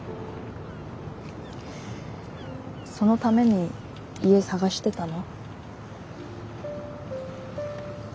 そのために家探してたの？